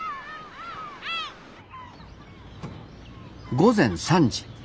午前３時。